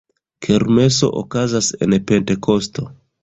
Kermeso okazas en Pentekosto.